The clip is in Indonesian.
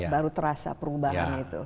baru terasa perubahannya itu